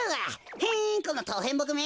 へんこのとうへんぼくめ。